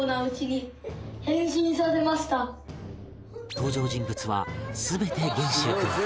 登場人物は全て元秀君